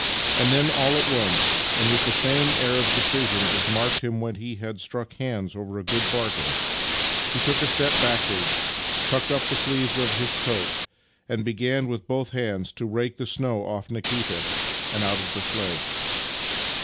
Then all at once, and with the same air of decision as marked him when he had struck hands over a good bargain, he took a step back wards, tucked up the sleeves of his coat, and began with both hands to rake the snow off Nikita and out of the sledge.